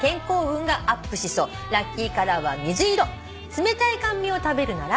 「冷たい甘味を食べるなら」？